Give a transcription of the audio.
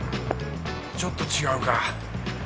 ちょっと違うか。